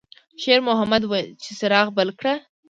شېرمحمد وویل چې څراغ بل کړه.